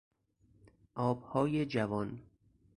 آبهای جوان